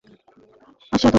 ব্যবহার করছে সে তোমাকে।